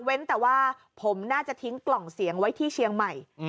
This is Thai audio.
แต่ว่าผมน่าจะทิ้งกล่องเสียงไว้ที่เชียงใหม่